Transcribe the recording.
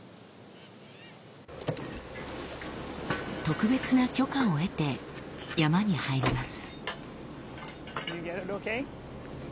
特別な許可を得て山に入ります。